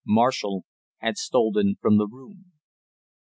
Marshall had stolen from the room.